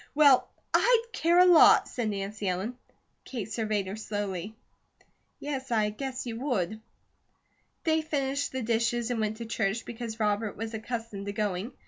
"Well, I'D care a lot!" said Nancy Ellen. Kate surveyed her slowly. "Yes, I guess you would." They finished the dishes and went to church, because Robert was accustomed to going.